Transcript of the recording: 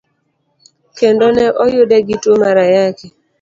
Kendo ne oyude gi tuo mar Ayaki.